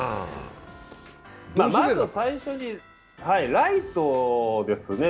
まず最初にライトですね。